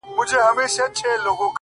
• خوند كوي دا دوه اشــــنا،